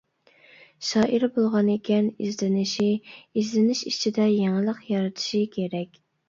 شائىر بولغانىكەن ئىزدىنىشى، ئىزدىنىش ئىچىدە يېڭىلىق يارىتىشى كېرەك.